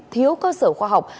thiếu cơ sở khoa học